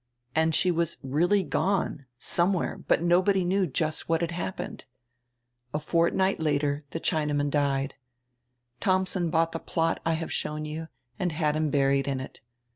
And she was really gone, somewhere, but nobody knew just what had happened. A fortnight later die Chinaman died. Thomsen bought die plot I have shown you and had him buried in it.